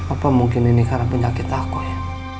apa mungkin ini karena penyakit aku ya